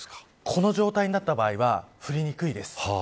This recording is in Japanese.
この状態になった場合は降りにくいです。